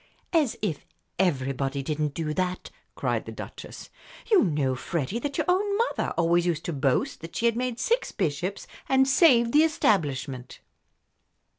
"As if everybody didn't do that!" cried the Duchess. "You know, Freddie, that your own mother always used to boast that she had made six bishops and saved the Establishment."